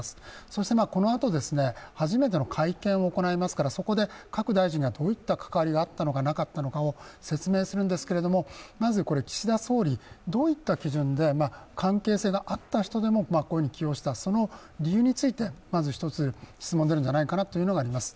そして、このあと初めての会見を行いますから、そこで各大臣がどういった関わりがあったのかなかったのかを説明するんですけれどもまずこれ岸田総理どういった基準で関係性があった人でも起用したその理由についてまず一つ、質問が出るんじゃないかなというのがあります。